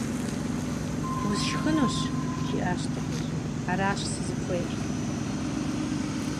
- Усшхынущ, - жиӏащ дыгъужьым. - Аращ сызыхуейр.